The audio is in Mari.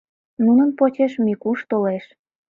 Нунын почеш Микуш толеш.